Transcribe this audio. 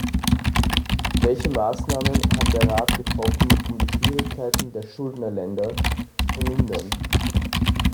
Welche Maßnahmen hat der Rat getroffen, um die Schwierigkeiten der Schuldnerländer zu vermindern?